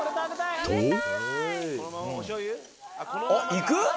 いく？